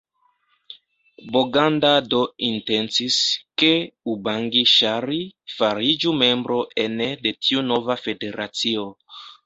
Boganda do intencis, ke Ubangi-Ŝari fariĝu membro ene de tiu nova federacio.